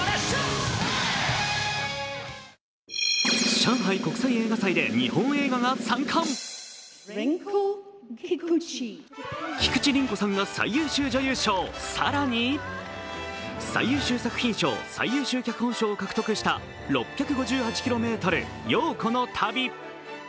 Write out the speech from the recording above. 上海国際映画祭で日本映画が３冠菊地凛子さんが最優秀女優賞、更に最優秀作品賞、最優秀脚本賞を獲得した「６５８ｋｍ、陽子の旅」。